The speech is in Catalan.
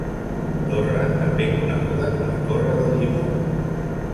Torre també coneguda com a torre del Llimó.